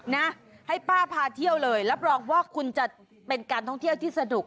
นะให้ป้าพาเที่ยวเลยรับรองว่าคุณจะเป็นการท่องเที่ยวที่สนุก